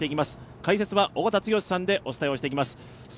解説は尾方剛さんでお伝えしていきます。